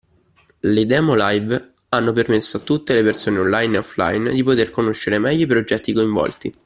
Le demo live hanno permesso a tutte le persone Online e Offline di poter conoscere meglio i progetti coinvolti